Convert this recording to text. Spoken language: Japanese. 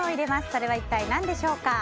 それは何でしょうか。